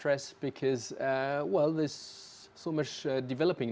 terdapat banyak yang berkembang sekarang